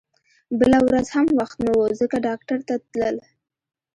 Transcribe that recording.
بله ورځ هم وخت نه و ځکه ډاکټر ته تلل